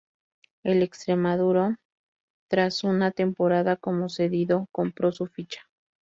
El Extremadura, tras una temporada como cedido, compró su ficha.